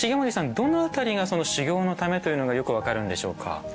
どの辺りが修行のためというのがよく分かるんでしょうか？